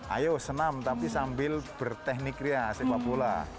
ayo senam tapi sambil berteknik kria sepak bola